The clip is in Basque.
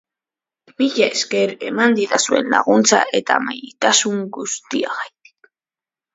Mila esker eman didazuen laguntza eta maitazun guztiagaitik.